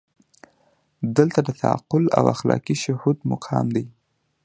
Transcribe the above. دلته د تعقل او اخلاقي شهود مقام دی.